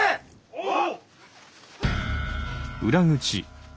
おう！